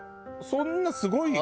そんなすごい。